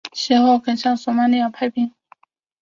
其后肯亚向索马利亚派兵。